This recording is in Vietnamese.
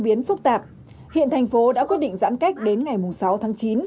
do diễn biến phức tạp hiện thành phố đã quyết định giãn cách đến ngày sáu tháng chín